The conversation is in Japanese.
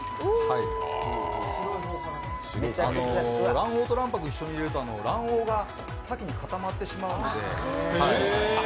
卵黄と卵白を一緒に入れると卵黄が先に固まってしまうので。